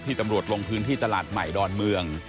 ตำรวจลงพื้นที่ตลาดใหม่ดอนเมือง